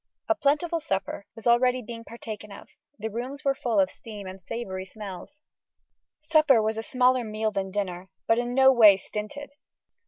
A plentiful supper was already being partaken of: the rooms were full of steam and savoury smells. Supper was a smaller meal than dinner, but in no way stinted.